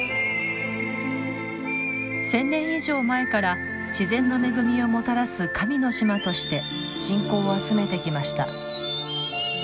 １，０００年以上前から自然の恵みをもたらす神の島として信仰を集めてきました。